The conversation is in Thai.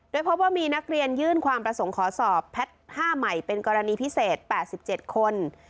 โดยพบว่ามีนักเรียนยื่นความประสงค์ขอสอบแพทย์๕ใหม่เป็นกรณีพิเศษ๘๗คน